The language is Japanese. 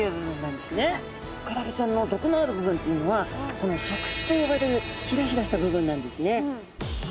クラゲちゃんの毒のある部分というのはこの触手と呼ばれるヒラヒラした部分なんですね。